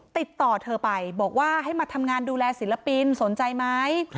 ติดต่อเธอไปบอกว่าให้มาทำงานดูแลศิลปินสนใจไหม